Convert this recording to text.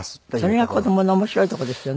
それが子供の面白いとこですよね